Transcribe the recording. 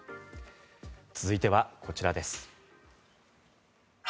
続いてはこちらです。